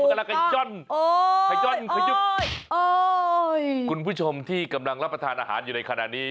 มันกำลังไข่จ้อนไข่จ้อนขยุดคุณผู้ชมที่กำลังรับประทานอาหารอยู่ในขณะนี้